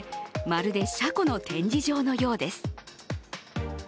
まるで車庫の展示場のようです。